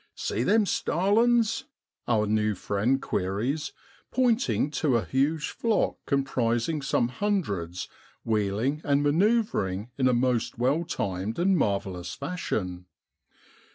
' See them starlings ?' our new friend queries, pointing to a huge flock com prising some hundreds wheeling and manoeuvring in a most well timed and mar vellous fashion.